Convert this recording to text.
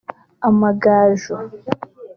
amagaju